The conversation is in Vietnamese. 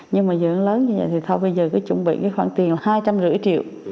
nhưng mà giờ hân lớn như vậy thì thôi bây giờ cứ chuẩn bị cái khoản tiền là hai trăm năm mươi triệu